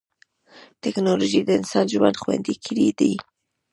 ټکنالوجي د انسان ژوند خوندي کړی دی.